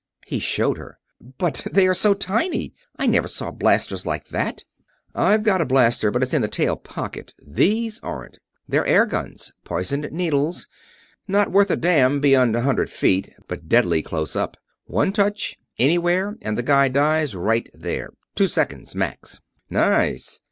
He showed her. "But they're so tiny! I never saw blasters like that!" "I've got a blaster, but it's in the tail pocket. These aren't. They're air guns. Poisoned needles. Not worth a damn beyond a hundred feet, but deadly close up. One touch anywhere and the guy dies right then. Two seconds max." "Nice!"